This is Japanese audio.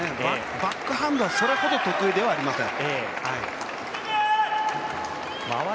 バックハンドはそれほど得意ではありません。